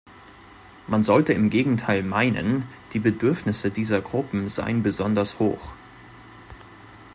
Man sollte im Gegenteil meinen, die Bedürfnisse dieser Gruppen seien besonders hoch.